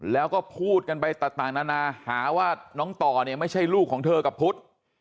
แล้วก็พูดกันไปต่างนานาหาว่าน้องต่อเนี่ยไม่ใช่ลูกของเธอกับพุทธ